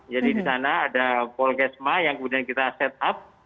jadi di sana ada polkesma yang kemudian kita set up